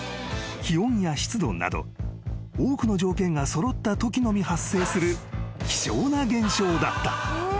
［気温や湿度など多くの条件が揃ったときのみ発生する希少な現象だった］